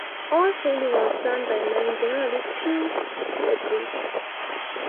All hauling was done by men, generally two to a boat.